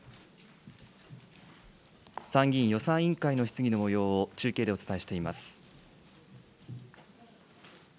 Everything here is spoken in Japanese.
参議院予算委員会の質疑のもようを中継でお伝えしています。